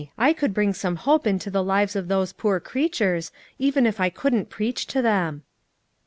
I could bring some hope into the lives of those poor creatures, even if I couldn't preach to them."